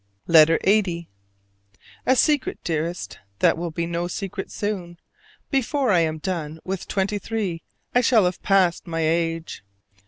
LETTER LXXX. A secret, dearest, that will be no secret soon: before I am done with twenty three I shall have passed my age.